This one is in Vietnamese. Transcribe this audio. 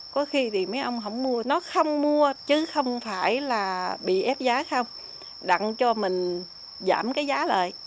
có khi thì mấy ông không mua nó không mua chứ không phải là bị ép giá không đặn cho mình giảm cái giá lợi